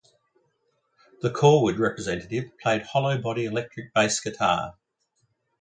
The Corwood representative played hollow-body electric bass guitar.